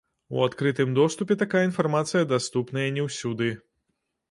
У адкрытым доступе такая інфармацыя даступная не ўсюды.